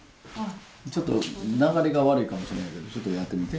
ちょっと流れが悪いかもしれんけどちょっとやってみて。